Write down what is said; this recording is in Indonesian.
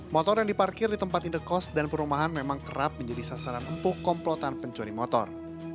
motor yang diparkir di tempat indekos dan perumahan memang kerap menjadi sasaran empuk komplotan pencuri motor